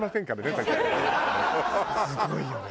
すごいよね。